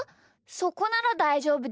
そこならだいじょうぶです。